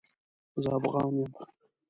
زه افغان يم